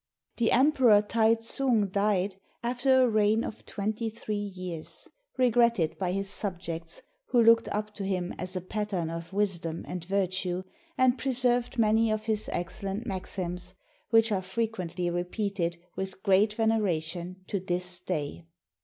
The Emperor Tai tsung died, after a reign of twenty three years, regretted by his subjects, who looked up to him as a pattern of wisdom and virtue, and preserved many of his excellent maxims, which are frequently repeated with great veneration to this day.